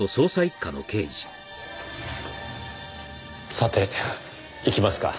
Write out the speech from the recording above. さて行きますか。